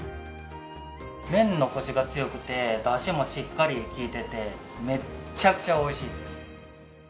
麺のコシが強くてダシもしっかり利いててめちゃくちゃ美味しいです。